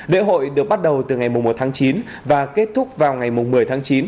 lễ hội được bắt đầu từ ngày một tháng chín và kết thúc vào ngày một mươi tháng chín